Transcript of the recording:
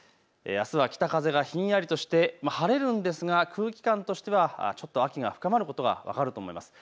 あすは北風がひんやりとして晴れるんですが、空気感としてはちょっと秋が深まることが分かると思います。